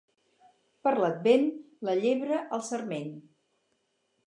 Per l'Advent la llebre al sarment.